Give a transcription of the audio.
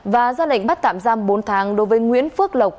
và ra lệnh bắt tạm giam bốn tháng đối với nguyễn phước lộc